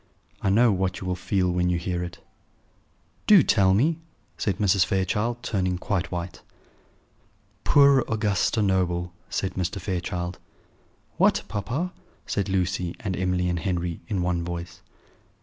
I know what you will feel when you hear it." "Do tell me," said Mrs. Fairchild, turning quite white. "Poor Augusta Noble!" said Mr. Fairchild. "What, papa?" said Lucy and Emily and Henry, in one voice.